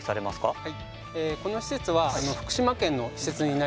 はい。